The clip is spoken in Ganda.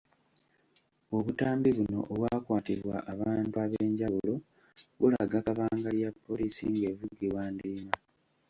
Obutambi buno obwakwatibwa abantu ab’enjawulo, bulaga kabangali ya poliisi ng’evugibwa ndiima .